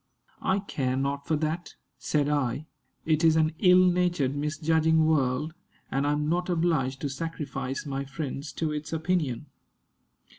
"I care not for that," said I; "it is an ill natured, misjudging world, and I am not obliged to sacrifice my friends to its opinion.